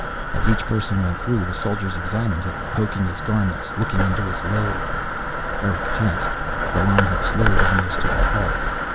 As each person went through the soldiers examined him, poking his garments, looking into his load. Erick tensed. The line had slowed almost to a halt.